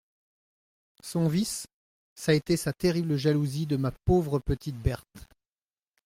Son vice, ç'a été sa terrible jalousie de ma pauvre petite Berthe.